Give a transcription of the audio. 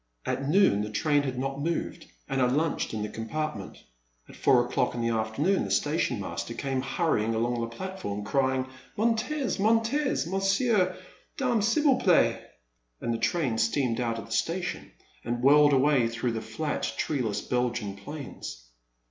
At noon, the train had not moved, and I lunched in the compartment. At four o'clock in the afternoon the station master came hurrying along the platform, crying '* montez ! montez ! Messieurs — Dames, s*ilvous plait, — The Man at the Next Table. 381 and the train steamed out of the station and whirled away through the flat, treeless Belgian plains.